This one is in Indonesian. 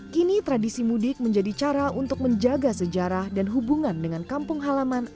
kini tradisi mudik menjadi cara untuk menjaga sejarah dan hubungan dengan kampung halaman